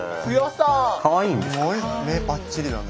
すごい目ぱっちりだね。